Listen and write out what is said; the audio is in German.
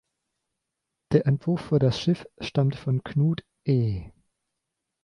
Der Entwurf für das Schiff stammte von Knud-E.